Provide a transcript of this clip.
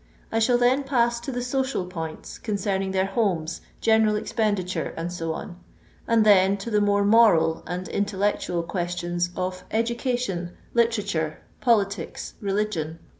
I shall then pass to the social points, concerning their homes, general expenditure, &c., and then to the more moral and intellectual questions of education, literature, politics, religion.